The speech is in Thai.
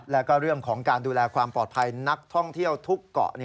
แล้วก็เรื่องของการดูแลความปลอดภัยนักท่องเที่ยวทุกเกาะ